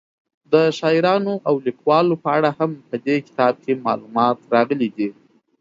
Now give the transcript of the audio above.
د شاعرانو او لیکوالو په اړه هم په دې کتاب کې معلومات راغلي دي.